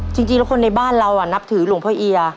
จริงแล้วคนในบ้านเรานับถือหลวงพ่อเอีย